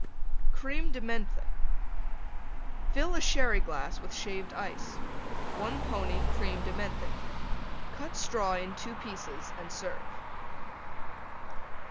CREME DE MENTHE Fill a Sherry glass with Shaved Ice. 1 pony Creme de Menthe. Cut Straw in two pieces and serve.